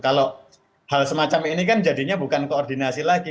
kalau hal semacam ini kan jadinya bukan koordinasi lagi